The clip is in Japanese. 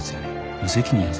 無責任やぞ。